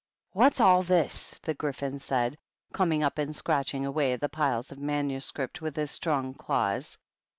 "Whafs all this?^' the Gryphon said, coming up, and scratching away at the piles of manuscript with his strong claws.